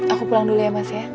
aku pulang dulu ya mas ya